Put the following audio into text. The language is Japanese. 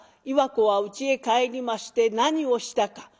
岩子はうちへ帰りまして何をしたか。